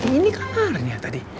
ini kan arin ya tadi